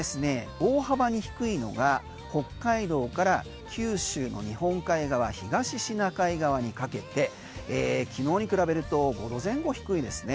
大幅に低いのが北海道から九州の日本海側東シナ海側にかけて昨日に比べると５度前後低いですね。